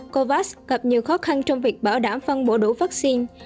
covax gặp nhiều khó khăn trong việc bảo đảm phân bổ đủ vaccine